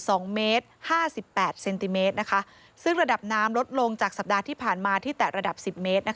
๓๖เซนติเมตรแต่ยังต่ำกว่าตระหลิง๒เมตร๕๘เซนติเมตรซึ่งระดับน้ำลดลงจากสัปดาห์ที่ผ่านมาที่แต่ระดับ๑๐เมตร